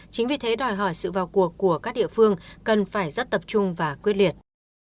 chính vì thế đòi hỏi sự vào cuộc của các địa phương cần phải rất tập trung và quyết liệt